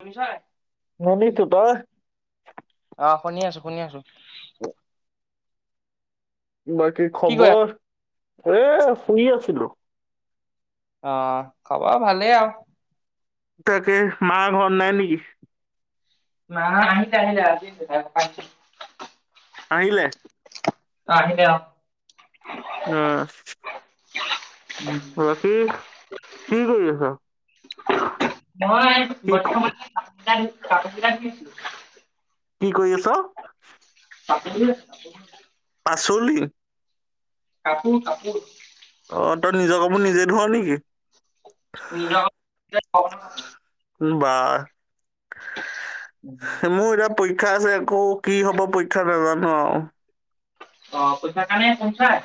শুনিছা নাই? অ দিছো তই [unintelligible] অ' শুনি আছো শুনি আছো অ বাকী কি কৰি আছ? খবৰ এ শুনি আছিলো। আহ খাব ভালেই আৰু তাকে মা ঘৰ নাই নেকি! ন আহি আহিল আজি প আহ আহিলে অ আহিলে অ অ [inaudible] বাকী কি কৰি আছা মই বৰ্তমান কাপাকছিলো [unintelligible] কি কৰি আছ তাপ [unintelligible] পাচলি কাপোৰ কাপোৰ অ তই নিজৰ কাপোৰ নিজে ধুৱ নেকি নিজ [unintelligible] বা মোৰ এতিয়া পৰীক্ষা আছে আকৌ কি হব পৰীক্ষা নাজানো আৰু [unintelligible] অ পইচা কাৰণে পচায়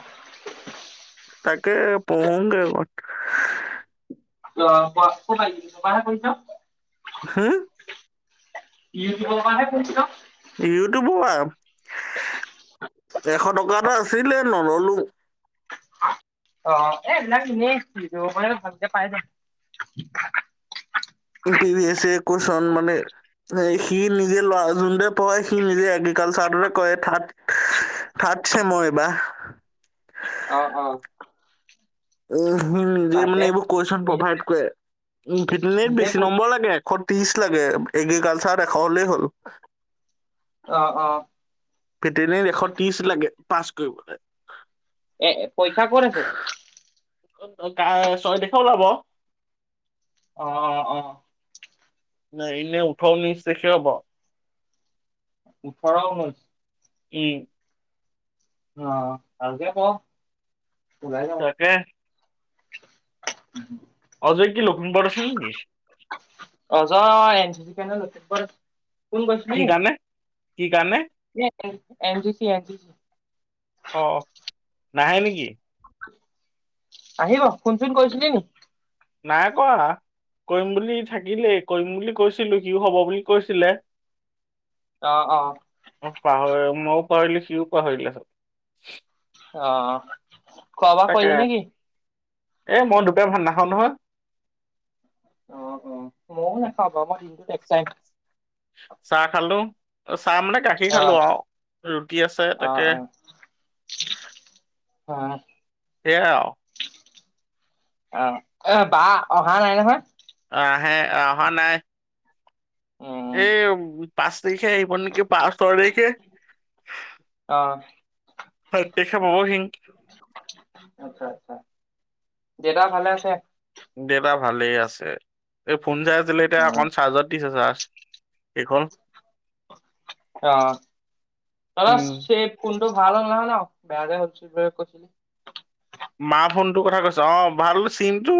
[unintelligible] তাকে পঢ়োংগে অকণমান [unintelligible] অঁ ক'ত আহ তহে কৰিছা। হুম কি কি বাে পুিল ইউটো বোৱা এশ টকাটো আছিলে নললো। অঁ এইবিলাক ম ভালকে পাই য [inaudible] পি ভ এছ কন মানে সি নিজে ল যোনটো পঢ়াই সি নিজেগে। কাল চাহদৰে কয় থাত থাটছে মই এইবা অঁ অঁ। উম উমজ মানে এইবোৰ কুৱেশচন নিজে প্ৰভাইড কৰে উ ভিটনেৰত নিজে বেছি পঢ়ি নম্বৰ লাগে এশ তিছ লাগে এগে গাল চা দেখা হলেই হ'ল অঁ অঁ ভেটেনেৰীত এশ ত্ৰিশ লাগে পাছ কৰিবলে। এ পৰীক্ষাত কত আছে। ক ছয় তাৰিখে ওলাব। অঁ অঁ অঁ। নাই এনে ওঠৰ ঊন্নৈছ তাৰিখে হব। ওঠৰ, ঊন্নৈছ উম অঁ আকে প তাকে! অজয় কি লখিমপুৰত আছে নেকি অজয় নে ব কোন বছ ন কি কাৰণে কি কাৰণে ন এজি চ এজি অ নাহে নেকি! আহিব ফুন কৈছিল নি নাই কোৱা ন। কৰিম বুলি থাকিলেই কৰিম বুলি কৈছিলো কি হব বুলি কৈছিলে। অ অ অঁ পাহৰি মইওঁ পাহৰিলো সিওঁ পাহৰিলো চব অ। খোৱা বোৱা তাকে, কৰিলি নেকি এ মই দুপৰীয়া ভাত নাখাওঁ নহয়। অ অ, ময়ো নেখাও বাৰু মই দাইম [inaudible] চাহ খালো চাহ মানে গাখীৰ অ খালো আৰু ৰুটি আছে অ তাকে। অ অঁ সেইয়া আৰু। অঁ এ বা অহা নাই নহয়! আহ আহে অহা নাই। উম এই পাঁচ, তাৰিখে আহব নেকি পাঁচ, ছয় তাৰিখে অ আৰু দেখা পাব হিং। আচ্ছা আচছা দেউতাঁ ভালে আছে। দেউতা ভালে আছে এই ফোন চাই আছিলে এতিয়া উম, অকন চাৰ্জাৰ ত্ৰিছ আছাৰ এইখন অঁ উম, তাদাে কোন টো ভাল হ'ল নহয় ন বেয়া যে হ'ছিল কৈছিলি মা ফোনটোৰ কথা কৈছ অঁ ভাল চিনটো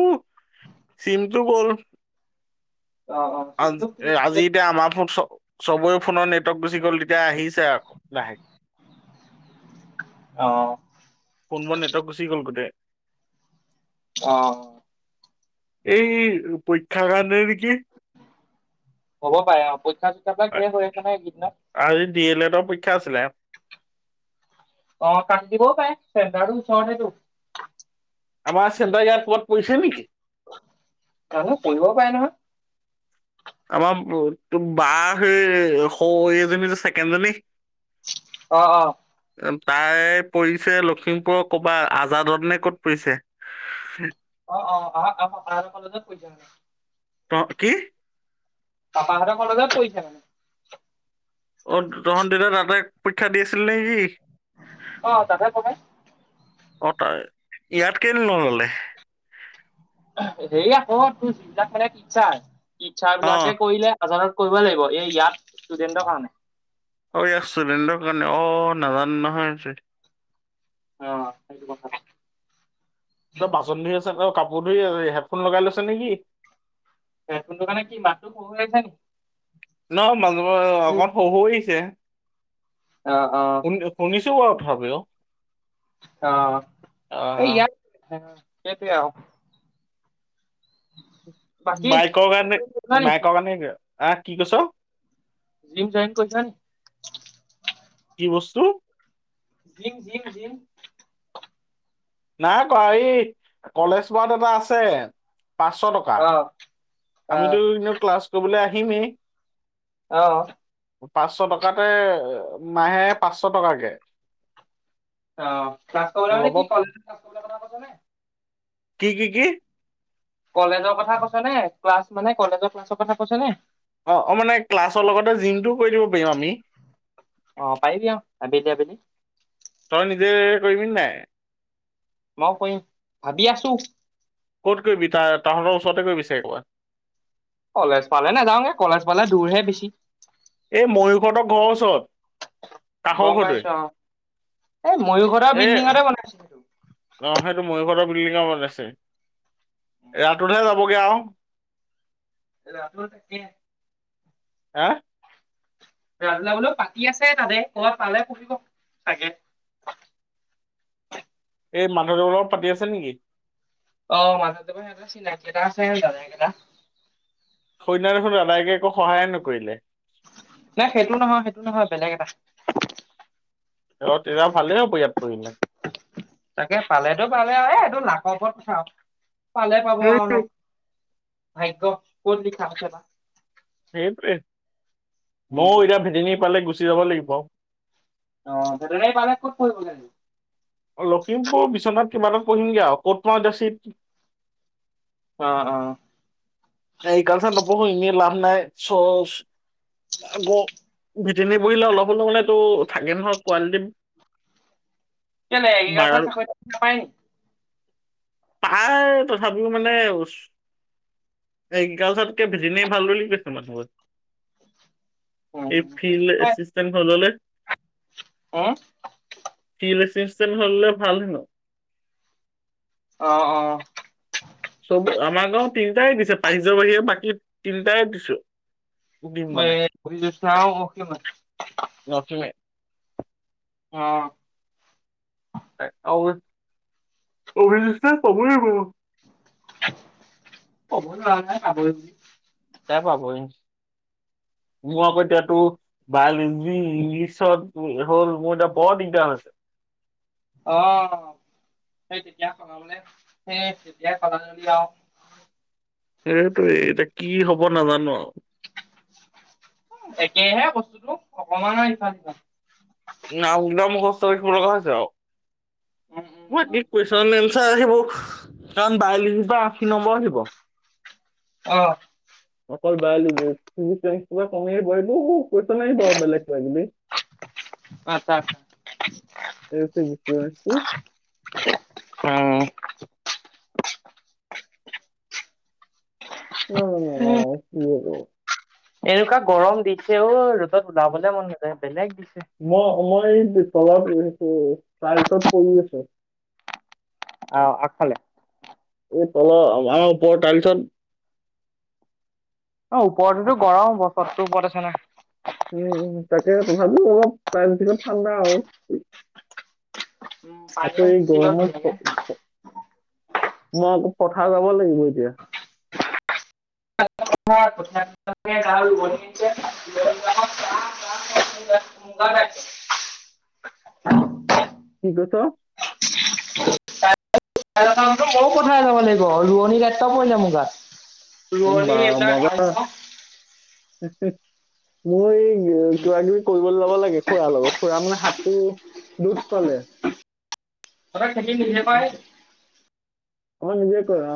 চিমটো গল। অ অ আ কিন্তু কি আজি এতিয়া আমাৰ ফোন চ চবৰে ফোনৰ নেটৱৰ্ক গুচি গ'ল তেতিয়া আহিছে ৰাখ লাহে। অ ফোনবোৰ নেটক গুচি গ'ল গোটেই। অ। এই পৰীক্ষা কাৰণে নেকি? হ'ব পাৰে, অ পৰীক্ষা- চৰিক্ষাবিলাক শেষ হৈবআছে ন এইকেইদিনত? বি এল এডৰ পৰীক্ষা আছিলে। অ কাম দিব পাৰে, চেন্টাৰো ওচৰতে তো। আমাৰ চেণ্টাৰ ইয়াত ক'ৰবাত পৰিছে নেকি মানুহ কৰিব পাৰে নহয়? আমাৰ ব ত বা সেই সৰু এজনী যে ছেকেণ্ডজনী অ অ। তাই পৰিছে লখিমপুৰৰ ক'বাত আজাদত নে ক'ত পৰিছে? অ অ আহ আহ কালজত [inaudible] পৰিৈ য ত কি? তামা লগা কলেজত পৰিছে। অ তহঁত দিনা তাই পৰীক্ষা দি আছিল নেকি? অ দাদা তমাই ইয়াতকেইনে নললে? সেই আকৌ তোৰ যিবিলাক খেলে টিচাৰ, অ টিচাৰবিলাকে কৰিলে হাজাৰত কৰিব লাগিব এই ইয়াত ষ্টুডেন্টৰ কাৰণে। ঐ আছ দ কাৰণে অ নাজানো নহয় অ সেইটো কথা। ত বাচন ধুই আছে অ কাপোৰ ধুই আছে, হেডফোন লগাই লৈছে নেকি? এ তোন দোকানে কি মাটো পহ হৈছ ন [inaudible] নহ মাজে মাজে অকমান শহু আহিছে। অ অহ। শ আাবও [inaudible] অঁ এই আহ ইয়াত, ইয়াতে আৰু। বাকী মাইকৰ কাৰণে, নি মাইকৰ কাৰণে আহ কি কৈছ? জিম জইন কৰিছা নে? কি বস্তু? জিং জিং জিং। নাই কোৱা এই কলেজ ৱাত এটা আছে পাঁচশ টকা। অ অ আমিতো এনে ক্লাছ কৰিবলৈ আহিমেই। আহ পাঁচশ টকাতে মাহে পাঁচশ টকাকে। ল'ব [unintelligible] কি কি কি? কলেজৰ কথা কৈছে নে ক্লাছ মানে কলেজৰ ক্লাছৰ কথা কৈছ নে? অ অ মানে ক্লাছৰ লগতে জিমটোও কৰি দিব পাৰিম আমি। অ পাৰিবি আবেলি আবেলি। তই নিজে কৰিব নে নাই? মই কৰিম ভাবি আছো। ক'ত কৰিবি তাৰ তাহঁতৰ ওচৰতে কৰিবি চাগে কৰবাত? কলেজ পালে নাযাওঁগে কলেজ পালে দূৰ হে বেছি। এই ময়ূহঁতৰ ঘৰ ওচৰত। কাষৰ গম ঘৰটোৱে পাইছো অ। এই ময়ূৰহতৰ এই বিল্ডিংতে বনাইছো এইটো। বিল্ডিংত ওপৰত আছে, ৰাততহে যাবগে আৰু। ৰাত থাকে। হা ৰালা বোলো পাতি আছে তাতে ক'ল পালে পুহিব চাগে [unintelligible] এই মাধৱদেৱ লগত পাতি আছে নেকি। [unintelligible] অ মাজতে প চ নাই আ যাগা। [unintelligible] সৈন্য দেখোন দাদাইকে একো সহায়ে নকৰিলে [unintelligible] নাই সেইটো নহয় সেইটো নহয় বেলেগ এটা [unintelligible] ৰ তেতিয়া ভালে হ'ব ইয়াত পৰিলে [unintelligible] তাকে পালেতো পালে আৰুটো নাকৰ ওপৰত কথা পালে পাব আৰু ন [unintelligible] ভাগ্য কত লিখা আছে [unintelligible] সেইটোৱে ময়ো উম এতিয়া ভেদিনী পালে গুচি যাব লাগিব। [unintelligible] অ এই পালাক ক'ত পৰিব লাগে। [unintelligible] লখিমপুৰ বিশ্বনাথ কিবাত পঢ়িমগে আৰু ক'ত পাওঁ এতিয়া চিত [unintelligible] অ অ এই কালচাৰত নপঢ়ো এনেই লাভ নাই চ [unintelligible] আ ভিটনী বহলে অলপ হ'লে হলে তো থাকে নহয় কোৱালিটি [unintelligible] [unintelligible] [inaudible] কেলে বাৰ এগ্ৰ্যীকালচৰ নাপায় নি। [unintelligible] পাই তথাপিও মানে। এগ্ৰিকালচাৰতকেজনে ভাল বুলি কৈছে মানুহ। [unintelligible] উম এই ফিল্ড এচিষ্টেণ্ট হল হলে হ ইট্ৰিকান হলে ভাল হেনো। [unintelligible] অ অ চব আমাৰ গাঁও তিনটাই দিছে পাৰিজৰ বাহিৰে বাকী তিনটাই দিছো। [unintelligible] দিম মানে অভিযোচনাও অ ক'ব নথ আহ চবৰে [unintelligible] ক'ব নোৱাই পাব বুলি [unintelligible] তাই পাবই [unintelligible] মোৰ আকৌ এতিয়াতো বায়লজি ইংলিছত হ'ল মোৰ এতিয়া বৰ দিগদাৰ হলআছে [unintelligible] [inaudible] অহ সেই [unintelligible] তেতিয়া সলাবলে সেই তেতিয়াই সল আৰু সেইটোৱে এতিয়া কি হব নাজানো ন' [unintelligible] একেহে বস্তুটো অকমানৰ ইফাল - সিফাল। ন উলাম খস্তাড [unintelligible] ৰিখিব ক হৈছেও উম [unintelligible] মই উম কি কুৱেশন এনচাৰ আহিব কাৰণ বাওলজি বা আশী নম্বৰ আহিব [unintelligible] অহ অকল বিওলজি [unintelligible] ত্ৰিশ পশ টকা কমিয়ে বলো [unintelligible] কিউচন আহিব বেলেগ কৰে। বুলি আচ্ছা আচ্ছা [unintelligible] এইছ [unintelligible] উম ন ন ন [unintelligible] এনেকুৱা গৰম দিছেও ৰ'দত ওলাবলে মন নযায় বেলেগ দিছে সব চাৰ তত প আছে [unintelligible] অহ আগফালে তলৰ আমাৰ ওপৰত তাই লিচোন [unintelligible] অ ওপৰৰততো গৰম চদৰটো ওপৰত আছো নহয় তভাতো অলপ প্ৰায় থিলপ ঠাণ্ডা আৰু [unintelligible] [unintelligible] উম আকৌ পানীয়ে এই মুচি লয় ধুনীয়াকে গৰমত মই আকৌ পথাৰ যাব লাগিব এতিয়া [unintelligible] [unintelligible] [inaudible] কি কৈছ? [unintelligible] যাব লাগিব ৰোৱনী গাতটা পৰিলে মোৰ গাত। বা ৰোৱানি এই বিলাক মজা আহে ন' [unintelligible] কিবা -কিবি কৰিব যাব লাগে খুৰা লগত খুৰা মানে হাতটো দুখ পালে। [inaudible] তহতৰ খেতিখিনি হে পাই। অহ, নিজ কৰা।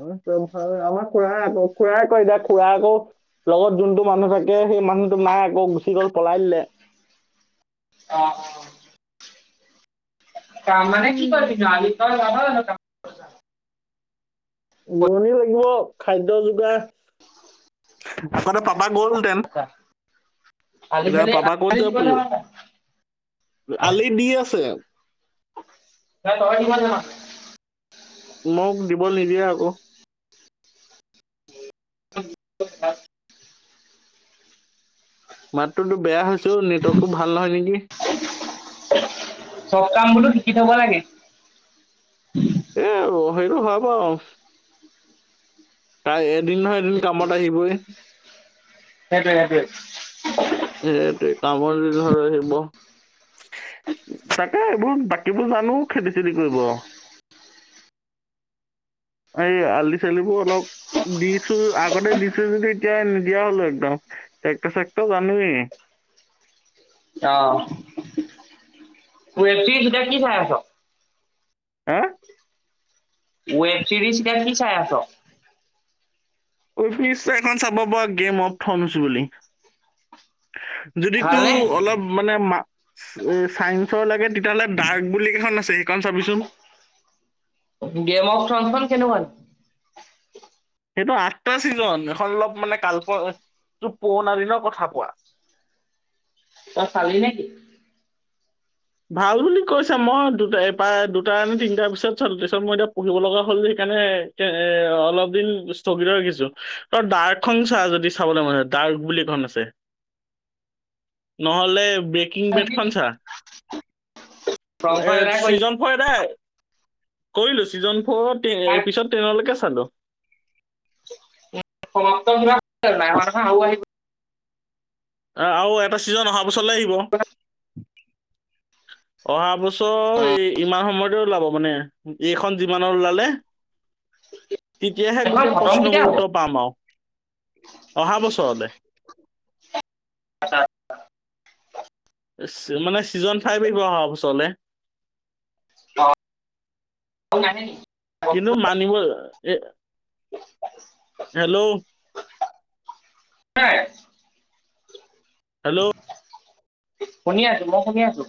অহ, আমাৰ খুুড়াৰ আকৌ- খুড়াৰ আকৌ- এতিয়া খুড়া আকৌ লগত যোনটো মানুহ থাকে সেই মানুহটো নাই আকৌ গুচি গ'ল পলাই দিলে [unintelligible] কাম মানে কি কৰিব ন' [unintelligible] ৰোৱনি লাগিব খাদ্য যোগাৰ [unintelligible] পাবা বল দেম আলি এতিয়া চালি পাবা ক'ত আলি যাব দিব জান পৰিব আলি দি আছে নে তই দিব জান মোক দিব নিদিয়ে আকৌ তোক মাতটোতু বেয়া হৈছো নেটৱৰ্কটো ভাল নহয় নেকি? চব কাম বোলো শিকি থব লাগে। এ সেইটো হয়‌বাৰু। তাই এদিন নহয় এদিন কামত আহিবয়ে। সেইটোৱে -সেইটোৱে। সেইটোৱে কামৰ দিনতহে আহিব। তাকে এইবোৰ বাকীবোৰ জানো খেতি -চেতি কৰিব। [inaudible] এই আলি - চালিবোৰ অলপ দিছো আগতে দিছো যদি এতিয়া নিদিয়া হলো একদম। ট্ৰেক্টৰ- চেক্টৰ [unintelligible] অহ ৱেব ছিৰিজ এতিয়া কি চাই আছ? হা ওৱেপ তিথিত এতিয়া কি চাই আছ [unintelligible] অফিচ এখন চাব পৰা গেম অফ থমচ বুলি। যদি তো ভালনে অলপ মানে মাকচ চাইন্সৰ লাগে তেতিয়াহ'লে ডাৰ্ক বুলি ক আছে সেইকন চাবিচোন গেম অফ [unintelligible] সেইটো আঠটা ছিজন এখন অলপ মানে কালপ পুৰণা দিনৰ কথা কোৱা। [inaudible] তই চালি নেকি? ভাল বুলি কৈছে মই দু প্ৰায় দুটা নে তিনটাৰ পিছত চালো তাৰছত মই এতিয়া পঢ়িব লগা হ'ল যে এইকাৰণে মানে এ অলপ দিন স্থগিত ৰাখিছো ত' ডাৰ্ক খন চা যদি চাবলৈ মন আৰু বুলে খন আছে ন'হলে বেকিং ব্ৰেডখন চা এ থ্ৰনখন এদাই কৰি চিজন ফৰদাই কৰিলো ছিজন ফৰত তাক এপিচদ তেনলৈকে চালো। [unintelligible] আহ, আৰু এটা চিজন অহাৰ বছৰ লে আহিব। অহা বছৰ এই ইমান সময়তে ওলাব মানে এইখন যিমানৰ ওলালে। তেতিয়াহে এখন গোটেই খতম কেতিয়া প্ৰশ্নবোৰ হ'ব উত্তৰ পাম আৰু। অহা বছৰলে মানে ছিজন ফাইভ আহিব অহাৰ ওচৰলে অ আৰু নাহে নেকি কিন্তু মানিব এ হেল্ল' ন [unintelligible] হেল্ল' শুনি আছো মই শুনি আছো